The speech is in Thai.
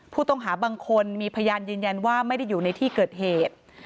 ผู้ต้องหาบางคนมีพยานยืนยันว่าไม่ได้อยู่ในที่เกิดเหตุ